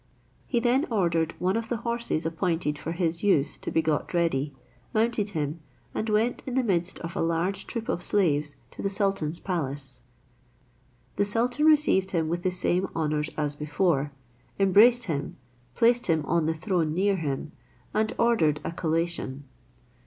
He then ordered one of the horses appointed for his use to be got ready, mounted him, and went in the midst of a large troop of slaves to the sultan's palace. The sultan received him with the same honours as before, embraced him, placed him on the throne near him, and ordered a collation.